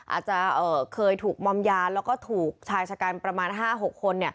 อาจจะเคยถูกมอมยาแล้วก็ถูกชายชะกันประมาณ๕๖คน